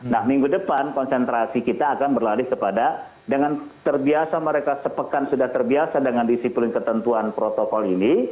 nah minggu depan konsentrasi kita akan berlari kepada dengan terbiasa mereka sepekan sudah terbiasa dengan disiplin ketentuan protokol ini